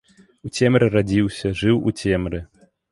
У цемры радзіўся, жыў у цемры.